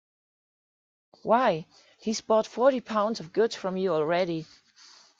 Why, he's bought forty pounds of goods from you already.